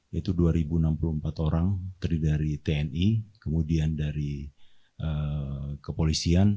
yaitu dua enam puluh empat orang terdiri dari tni kemudian dari kepolisian